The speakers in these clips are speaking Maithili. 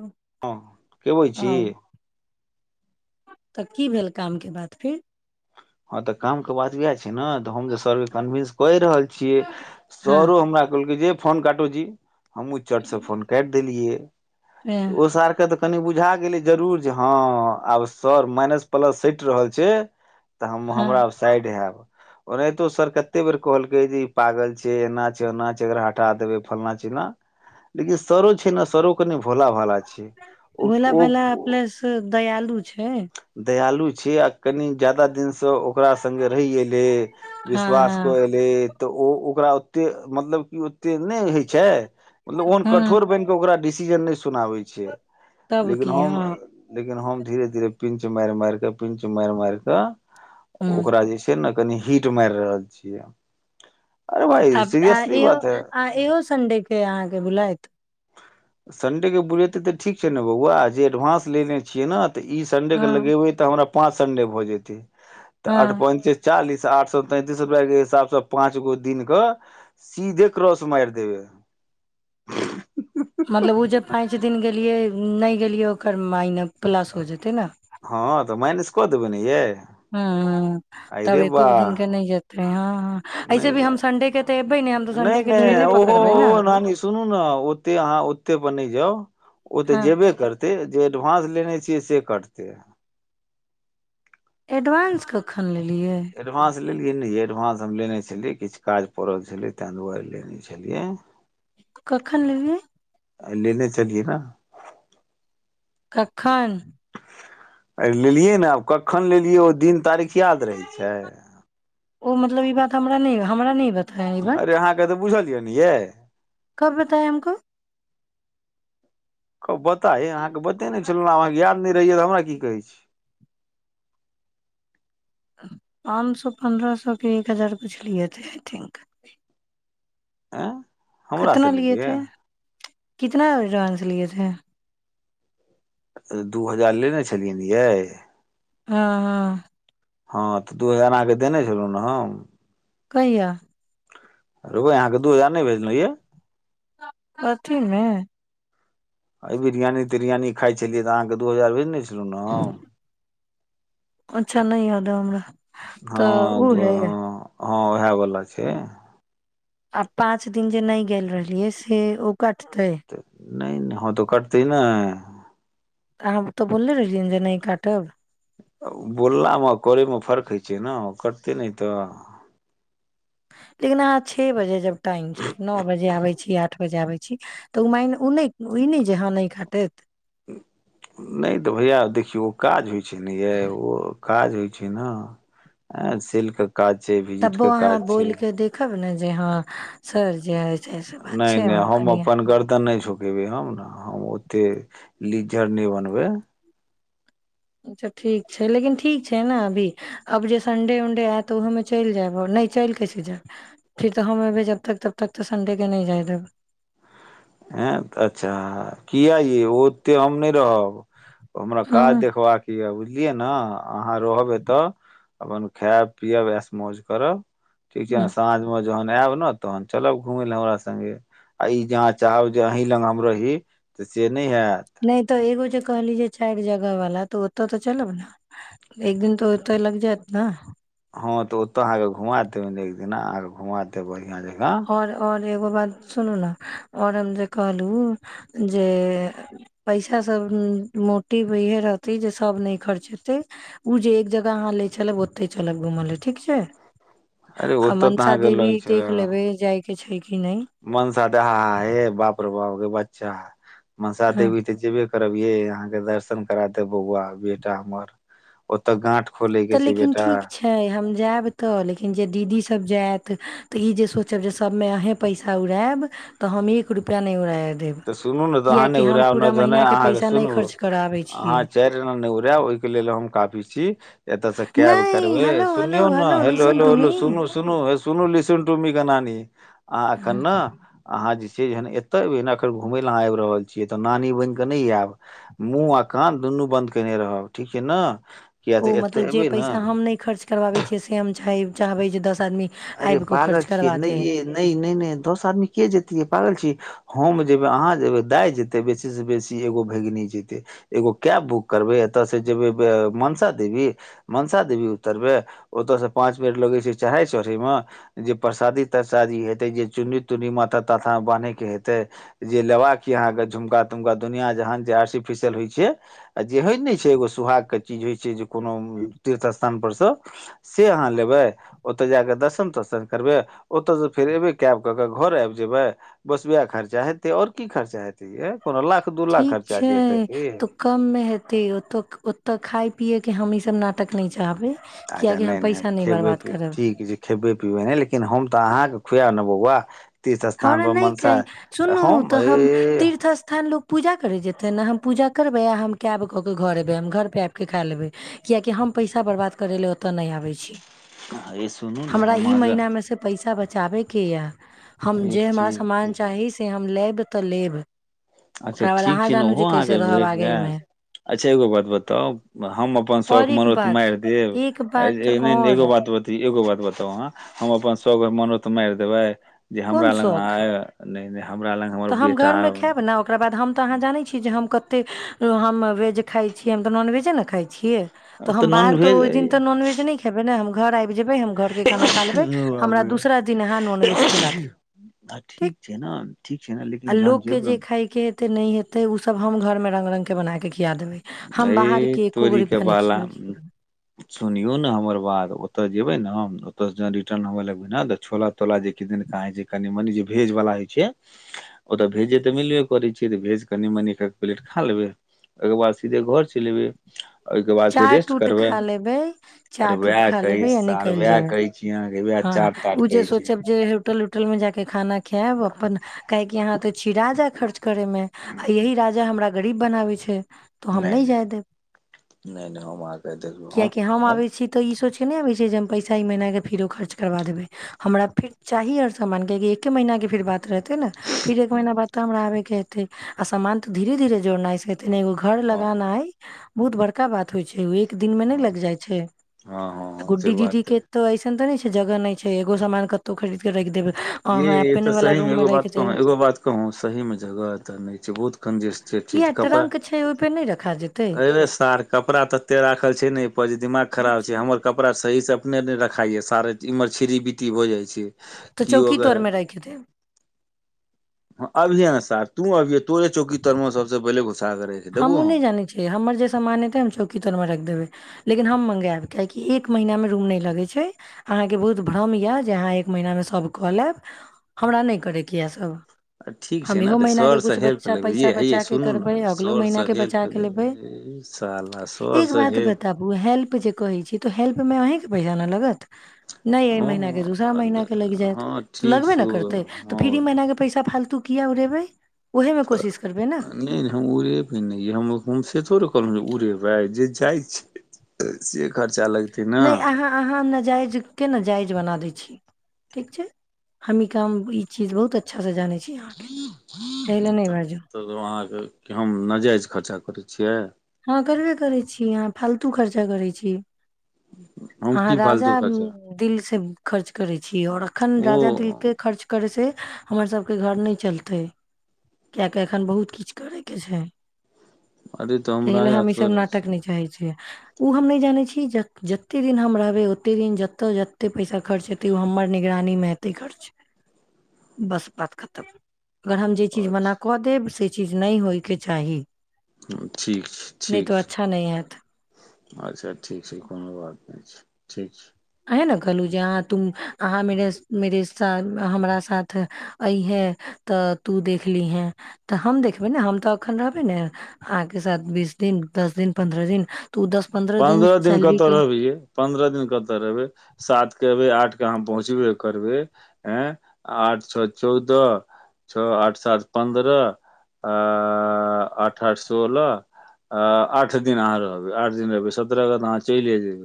ओ हँ के बोल छी तऽ की भेल कामके बाद फेर हँ तऽ काम के बात उएह छै ने तऽ हम त सरके कन्विन्स कहि रहल छियै हँ सरो हमरा कहलकै जे फोन काटू छी हम उ चर्ट से फोन काटि देलियै तऽ ओ सरके तऽ कनि बुझ बझा गेल जरूर हँ आब सर माइनस प्लस सटि रहल छै तऽ हम हमरा हँ साइड हयब ओनाहितो सर कते बेर कहलकै जे ई पागल छै एना छै ओना छै एकरा हटा देबे फलना चिलना लेकिन सरो छै ने सरो कनी बोला भला ओ अपलस दयलू छै दयालु छी आ कनि जादा दिन सब ओकरा संग्गे रहि एले विश्वास कऽ हँ एले तऽ ओ ओकरा ओते मतलब कि नहि होइ छै मतलब हँ ओन हँ कठोर बन के ओकरा चीजन नहि सुनाबै छियै तब लेकिन की हम हँ लेकिन हम धीे धीरे पिञ्च मार मारिक पिञ्चु मार मारिकऽ हँ ओकरा जे छै ने कनि हीट मारि रहल छियै अरे भाय आ सीरियसली इहो बात है इहो सडे के अहाँके बुलात संडे के बुलेतै तऽ ठीक छै ने बौआ जे एडवानंस लेने छियै ने तऽ ई सडे के हँ लगेबे तऽ हमरा पाँच अण्डे भऽ जेतै तऽ अठ हँ पञ्चे चालीस आठ सए तैंतीस रुपआ के हिसाब से पाँच गो दिन के सीधे क्रॉस मारि देबे मतलब ओ जे पाँच दिन गेलियै नहि गेलियै ओकर मइन प्लास हो जेतै ने हँ तऽ मइनस कऽ देबैनि ये ह तब एकोब दििन के नहि जात त्रय नहि नहि संडे के नहि ट्रेने ओहो पकड़बै ने ओ नानी सुनू ने ओते अहाँ ओते पर नहि जाउ ओतऽ हँ जेबे करतै जे एडवानंस लेने छियै से कटते है एडवानं्स कखन लेब बुझलियै ई नहि एडवानंस हम लेने छलियै किछु काज पड़ल छलै ताहि दुआरे लेने छलियै कखन लेबै लेने चलियए ने कखन लेलियै ने आब कखन लेलियै दिन तारीख याद रहै छै ओ मतलब ई बात हमरा नहि हमरा नहि बता अरे अहाँके तऽ बुझल यए ने ये कब बताया हमको कबत पता अ अहाँके बते नहि छलहुँ अहाँके याद नहि रहिय तऽ हमरा की कहै छी पाँच सए पन्द्रह सएके एक हजार पुछलियै तऽ आई थिंक आँ कितना लिएथे कितनाडानंस लिएथे दू हजार लेने छलियनि यै हँ हँ हँ तऽ दू हजार अके देने छलहुँ ने हम कहिया रै अहाँके दू हजार नहि भेजलहु यए कथीमे अ बिरियानी तिरियानी खाइ छलियै तऽ अहाँके दू हजार भेजने छलहुँ ने अच्छा नहि याद हमरा तऽ ओ हँ है य हँ इएह बो छै आब पाँच दिन जे नहि गेल रहलियै से ओ कटतै नहि नहि ह तऽ काटतेै ने त तो बोले रहियन जे नहि काटब बोललामे करैमे फर्क होइ छै ने करते नहि तऽ लेकिन अहाँ छओ बजे जब टाइम छै नओ बजे आबे छी आठ बजे आबै छी तऽ ओ माय ओ नहि ई नहि जे हँ नहि काटत नहि तऽ भैया देखियौ काज होइ छै जन ओ काज होइ छै न सक तबो अहाँ बोलिक देखब ने जे हँ सर जे हइ छै से बात नहि छै नहि हमर हम कनिया अपनन कर तऽ नहि छु गेबे हम ने हम ओते लीज्जर नहि बनबै अच्छा ठीक छै लेकिन ठीक छै ने अभी आब जे संडे उणडे आयत तऽ ओहोूमे चलि जायब आ नहि चलि कैसे जायब फेर तऽ हम अयबै जबतक तबतक तऽ संडेके नहि जाय देब ह अच्छा किया य ओ ओते हम नहि रहब हमरा हँ काज देखबाक य बुझ लियै ने अहाँ रहबै तऽ अपन खाय पिय वस मौज करब ठीक छै ने ह साँझ म जहन आयब ने तहन चलब घुमे ले हमरा सगे आ ई जह जाउ जे अह ल हमर ही तऽ से नहि हैत नहि तऽ एगो जे कह लीजे चारि जगह वाला तऽ ओतऽ तऽ चलब ने एक दिन तऽ ओतऽ लग जायत ने हँ तऽ ओतऽ अहाँके घुमा दे एक दिना अहाँके घुमा देे बढ़िया जगह आओर आओर एगो बात सुनू ने आओर हम जे कहलहु जे पैसा सब मोटिव इहे रहते जे सब नहि खर्चेतै ओ जे एक जगह अहाँ ले चब ओते चलब घूम ल ठीक छै अरे ओ आ तऽ मनसा तहाँ गेललै देवी छै र देख लेबै जाय छै कि नहि मन साथे ह हे बाप र बाव ओ बच्चा मनशा हँ देबी तऽ जेै करियहाँके दर्शन करा दे बौआ बेटा हमर ओ गा तऽ लेकिन ठीक छै हम जायब तऽ लेकिन जे दीदीसभ जायत तऽ ई जे सोचब जे सबमे अहें पैसा उड़ायब तऽ हम एक रुपआ नहि उड़ायब तऽ सुनू ने तऽ अहाँ नहि उड़ायब जना के अहाँके पैसा नहि सुनू खर्च कराबै अहाँ छियै चारि एना नहि उड़ाय ओहिके लेल हम काफी छी एतऽ त कैब नहि करबै हेलो हेलो सुनियौ ने hello listen hello to me hello सुनू सुनूे सुन लन त के नी अह एखन ने अहाँ जे चज एते भी र घुमय लए अहाँ आबि रहल छियै तऽ नानी बनि कऽ नहि आयब मुँह आ कान दुनू बन्द केयने रहब ठीक छै ने किया ओ तऽ मतलब एतय जे एबै ने पैसा हम नहि खर्च करबाबै छियै से हम चाही चाहबै जदस अरे पागल छियै नहि य न नहि नहि दस आदमी के जेतीै पागल छीियै हम जेबे अहाँ जेबे दाय जेते बेसी से बेसी एगो भगिन जेते एगो कैब बुक करबे एतय से जेबे मनसा देवी मनसा देवी उतरबे ओतय से पांच मिनट लगे छै चाहे चढ़े मे जे परसादी तरसादी हेतै जे चुन्नी तुन्नी माथा ताथा बान्हे के हेते जे लेबाका य अहाँके झुमका तुमका दुनिया जहान जे आर्टिफिशियल होइ छै आ जे होेय ने छै एगो सुहाग के चीज होइ छै जे कोनो तीर्थ स्थान पर से से अहाँ लेबै ओतऽ जाकऽ दर्शन तर्शन करबै ओतऽसँ फेर एबै कैब कऽ कऽ घर आबि जेबै बस वएह खर्चा हेतै आओर की खर्चा हेतै ये ठीक छै तऽ कममे हेतै ओऽ ओतऽ खााय पियए के हशा त नाटक न चाहबै अच्छा कियाकि हम नहि नहि पैसा खेबै बर्बाद पीबै करब ठीक छै खेबै पिबै नहि लेकिन हम तऽ अहाँके खुआ आनब व हमरा नहि कहै सुनू तऽ ए हम तीर्थ स्थान लोग पूजा करे जेतै ने हम पूजा करबै आ हम कैब कऽ के घर एबै हम घर पे आबि कऽ खा लेबै कियकि हम पैसा बर्बाद करै लए ओतऽ नहि आबै छी सुनू ने हमरा हम ई अहाँके महिना मे से पैसा बच चाबै किया हम ई जे छी। हमरा समामान चाही से हम लेब तलेब अच्छा ठीक छै ने ओहो अहाँके भेट आगे मे जायत अच्छा एगो बात बताउ हम अपन और शौख एक मरत बात मारि एक बात देब और एगो बात ब एगो बात बताउ अह हम अपन सभग मनोत मारि देबै जे कोन हमरा लग शौख नहि नहि हमरा लग हमर बेटा ओकराबाद हम तऽ अहाँ जानै छी जे हम कतेक हम वेज खाइ छी हम तऽ नॉनवेजे ने खाइ छियै तऽ हम नॉन बाहर तऽ भेज ओहि दिन तऽ नॉनवेज नहि खेबै ने हम घर आब [unintelligible] ठीक छै ने ठीक छै ने लेकिन आल्ल जहन के जे जेबै खाायके एते नहि हे ओ सब हम घर मे रंग रंग के बना क अ तोरे नहि बाला खियेबै ककरो सुनौ ने हमर बाद ओते जेबे ने ओत से रिटर्न हवे लगबे ने त छोला तोला जे किाे कनि मनी जे भेज वला हय छै ओते भेजे ते मिलबे करे छी त भेज कनि मनी एक पलेट खा लेबे ओकर बाद सीधे घर चलबै ओहिके बाद फेर चाट रेस्ट उट करबे खा लेबै चाट उट वह खा लेबै आ कह निकलि वह जेबै कहै छीहाँ हँ ओ जे सोचब जे होटल उटल मे जााक खाना खायब अपन काह क यहाँ तो चिरा जा खर्चा करे मे आ यी राजा हमरा गरीब बनाबे छै तो हम नहि नहि जाय देब नहि नहि हम अहाके नए देखलो हम हम केबै छै पैसा मना फिर ओ खर्च करबा देबै हमरा फिर चाही आओर सामान कि एके महिना के फिर बात रहते ने फिर एक महीना बाद तऽ हमरा आबे के ह आ सामान तऽ धीेरे धीरे जोड़नाय छै तनिगो घर हँ हँ लगाना हइ बहुत बड़का बात होइ छै दिन मे नहि हँ लग जाइ छै हँ हँ हँ से गुड्डी दीदी बात के तऽ ऐसे त छै जगह नहि छै एगो सान कतहु खरीद के राखि देबै अहाँ य तऽ अपने वाला सहीमे रूम मे एो राखि बात कह देब एगो बात कह सहीमे जगहऽ नहि छै बहुत कन्जेस्टेड किया छैऽ कपड़ा ट्रंक छै ओहिपे नहि रखा जेतै अ रे सार कपड़ा त एते राखल छै ने पर जे दिमाग खराब अच्छा छै हमर कपड़ा सहीसँ अपने ने रखाइय सारे इमहर चिरी बीती हो जाय तऽ की चौकी ओक तर मे राखि देब अभी ह ने स तू अभिय तोे चौकी तरमे सब बलग हमूँ नहि जानै छियै हमर जे सामान हेतै हम चौकी तर मे राखि देबै लेकिन हम मँगायब कियाकि एक महीनामे रूम नहि लगैत छै अहाँकेँ बहुत भ्रम यए जे अहाँ एक महीनामे सभ कऽ लेब हमरा नहि करयके यए संग आ ठीक छै ने तऽ सरसँ हेल्प लेबै पैसा य बचा हेये के सुनू ने करबै सर महीना से के हेल्प बचा के लेबै ए साला सर एक से बात हेल्प बताबू हेल्प जे कहै छै त तऽ हेल्पमे अहँके पैसा लागत नहि एहि हँ मीना के दूसरा महीना के लागि जायत हँ तऽ ठीक लगबे ने छौ करतै तऽ फिर हँ ई महीना के पैसा फालतू कििया उ रहेबै ओहेमे कोशिश करबै ने हमे ोड़े कहल उड़े रह जे जाइ छै से खतिर नहि अहाँ अहाँ न जायज के न जाय बना द छी ठीक छै हम क ई चीज बहुत अच्छा से जानै छी अहाँके एहि लए नहि बाजू अहाँके हम नाजायज खर्चा करै छी छीए हँ करबे करै छी अहाँ फालतू खर्चा करैत छी हम अहाँ की राजा फालतू खर्चा दिल से खर्च करै छीिय आओर अखन ओ राजा दिल के खर्च करै से हमर सभके घर नहि चलतै किएकि एखन बहुत किछु करयके छै अरे तऽ एहि ले राजा हम ई सब थोड़े नाटक छी नहि चाहे छियै ओ हम नहि जानै छी जतेक दिन हम रहबै ओतेक दिन जतय जतेक पैसा खर्च हेतै ओ हमर निगरानीमे हेतै खर्च बस बात खतम अगर हम जे चीज मना अच्छा कऽ देब से चीज नहि होइके चाही अ नहि तो अच्छा नहिं ह अच्छा ठीक छै कोनो बात नहि छै ठीक छै अहे ने कहलहुँ जे अहाँ तु अहाँ मे मेरे सा हमरा साथ अईहे तऽ तू देखलीहे तऽ हम देखबै ने हम तऽ एखन रहबे ने अहाँके साथ बीस दिन दस दिन पन्द्रह दिन तऽ उ दस पन्द्रह दिन सैलरी कतहु के रहबिे पन्द्रह दिन कतहु बे सात के एबे आठ के अहाँ पहुँचबे करबे ए आठ छओ चौदह छओ आठ सात पन्द्रह आ आठ आठ सोलह आठ दिन अहाँ रहब आठ दिन रहै सत्रह तऽहाँ चल ले जे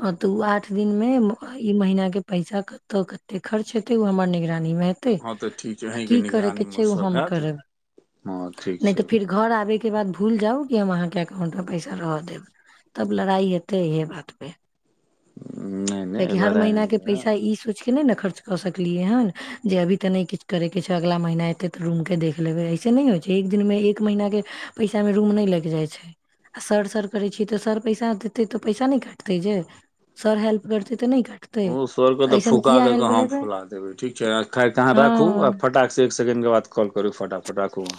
ह तऽ उ आठ दिन में ई महीना के पैसा कते कते खर्च हेते उ हमर निगरानी में ह हतै हँ तऽ ठीक छै आ की अहींके करैके छै निगरानीमे ओ सब हम हैत करब हँ ठीक नहि छै तऽ फिर घर आबेके के बाद भूल जाउ कि हम अहाँके अकाउंट मे पैसा रह देब तब लड़ाई हेते इहे बात पे नहि कि नहि हर लड़ाइ महिीना नहि के पैसा करब ई सोच नहि ने खर्च कऽ सकलिय हन जे अभी तऽ नहि किछ करे के छै अगला महीना एते तऽ रूम के देख लेबे नहि होइ छै एक दिनमे एक महिीन के पैसामे रूम नहि लागि जाइ छै आ सर सर करै छियै तऽ सर पैसा देतै तऽ पैसा नहि काटतै जे सर हेल्प करतै तऽ नहि कटतै ओ सरके तऽ ऐसन फुका किया दऽ कऽ हेल्प हमँ लेबै फुला देबै ठीक छै खाकेऽ अहाँ राखू हँ आ फटाकसँ एक सेकेण्डके बाद कॉल करू फटाफट राखु